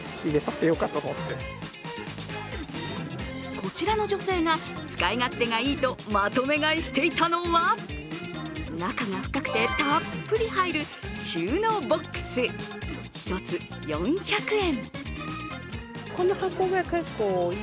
こちらの女性が使い勝手がいいとまとめ買いしていたのは中が深くてたっぷり入る収納ボックス１つ４００円。